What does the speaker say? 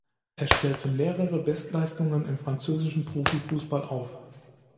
Er stellte mehrere Bestleistungen im französischen Profifußball auf.